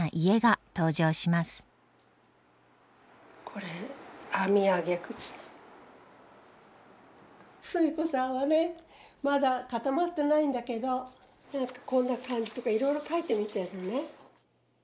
これスミコさんはねまだかたまってないんだけどこんな感じとかいろいろ描いてみてるのね。